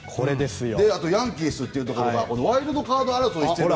あと、ヤンキースというところがワイルドカード争いしている。